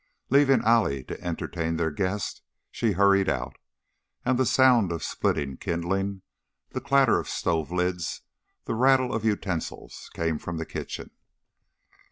Leaving Allie to entertain their guest, she hurried out, and the sound of splitting kindling, the clatter of stove lids, the rattle of utensils came from the kitchen.